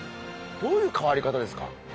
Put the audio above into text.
どういう変わり方ですか？